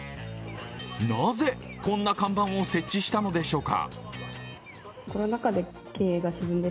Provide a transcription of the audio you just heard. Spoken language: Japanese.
なぜ、こんな看板を設置したのでしょうか。